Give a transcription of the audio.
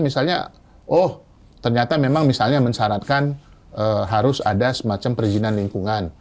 misalnya oh ternyata memang misalnya mensyaratkan harus ada semacam perizinan lingkungan